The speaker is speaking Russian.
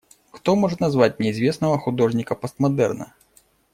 Кто может назвать мне известного художника постмодерна?